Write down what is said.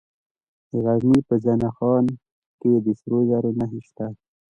د غزني په زنه خان کې د سرو زرو نښې شته.